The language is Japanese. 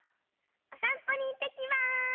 おさんぽにいってきます！